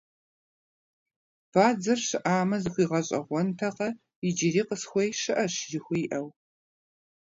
Бадзэр щыӏамэ, зыхуигъэщӏэгъуэнтэкъэ, иджыри къысхуей щыӏэщ жыхуиӏэу!